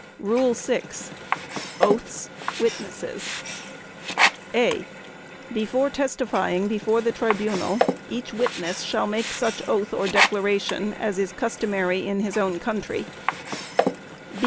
Rule 6. Oaths; Witnesses. (a) Before testifying before the Tribunal, each witness shall make such oath or declaration as is customary in his own country.